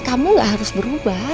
kamu gak harus berubah